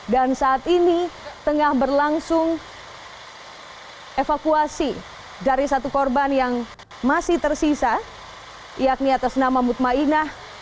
dan saat ini tengah berlangsung evakuasi dari satu korban yang masih tersisa yakni atas nama mutma'inah